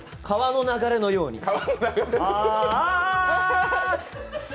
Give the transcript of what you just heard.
川の流れのように？